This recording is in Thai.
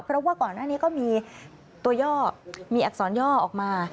เพราะว่าก่อนหน้านี้ก็มีตัวย่อมีอักษรย่อออกมา